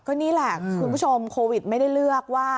ก็นี่แหละคุณผู้ชมโควิดไม่ได้เลือกว่า